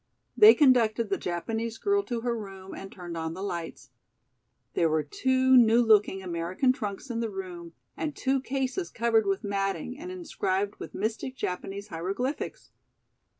They conducted the Japanese girl to her room and turned on the lights. There were two new looking American trunks in the room and two cases covered with matting and inscribed with mystic Japanese hieroglyphics.